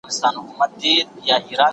څېړونکی باید په خپل ژوند کې ریښتونولي ولري.